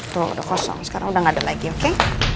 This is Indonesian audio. tuh udah kosong sekarang udah gak ada lagi oke